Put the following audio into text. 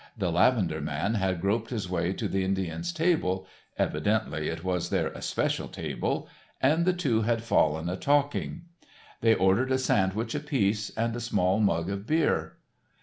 The lavender man had groped his way to the Indian's table—evidently it was their especial table—and the two had fallen a talking. They ordered a sandwich apiece and a small mug of beer.